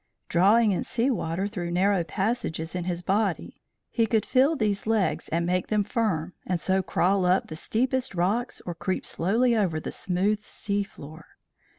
Drawing in sea water through narrow passages in his body, he could fill these legs and make them firm, and so crawl up the steepest rocks or creep slowly over the smooth sea floor.